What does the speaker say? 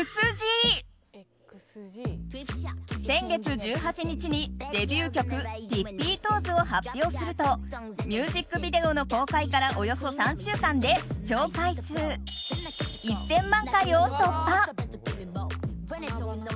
先月１８日にデビュー曲「ＴｉｐｐｙＴｏｅｓ」を発表するとミュージックビデオの公開からおよそ３週間で視聴回数１０００万回を突破。